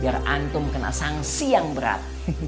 biar antum kena sanksi yang berat